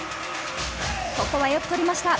ここはよく取りました。